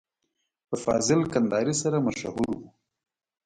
په فاضل کندهاري سره مشهور و.